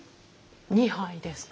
２杯ですか。